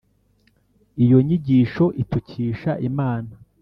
Iyo nyigisho itukisha Imana